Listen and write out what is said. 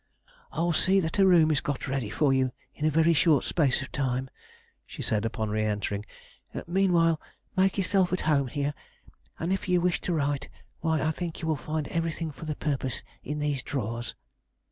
"I will see that a room is got ready for you in a very short space of time," she said, upon re entering. "Meanwhile, make yourself at home here; and if you wish to write, why I think you will find everything for the purpose in these drawers."